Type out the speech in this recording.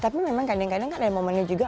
tapi memang kadang kadang kan ada momennya juga